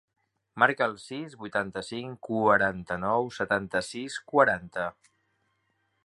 Marca el sis, vuitanta-cinc, quaranta-nou, setanta-sis, quaranta.